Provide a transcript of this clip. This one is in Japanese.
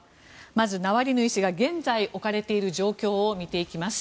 まず、ナワリヌイ氏が現在置かれている状況を見ていきます。